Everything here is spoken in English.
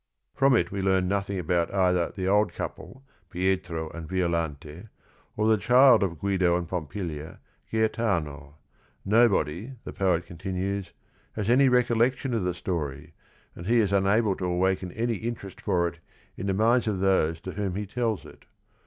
" From it we learn nothing about either the old couple, Pietro and Violante, Qrthe child of Guido and Pompilia, Gaetano. Nobody, tne poet con tinuesTTias any recollection of the story, and he is unable to awaken any interest for it in the minds of those to whom he tells it.